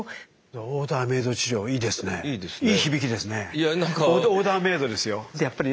オーダーメイドですよ。